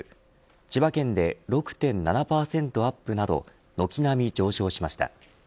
千葉県で６．７％アップなど軒並み上昇しました。